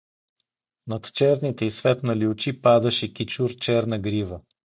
Над черните и светнали очи падаше кичур черна грива.